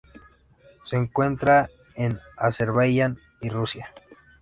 Se encuentra en Azerbaiyán y Rusia.